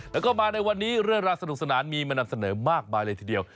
แล้วก็มาในวันนี้เรื่องราวสนุกสนานมีมานำเสนอมากมายเลยทีเดียว